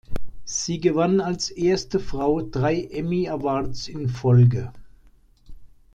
Sie gewann als erste Frau drei Emmy Awards in Folge.